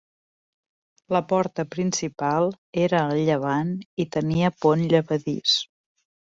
La porta principal era al llevant i tenia pont llevadís.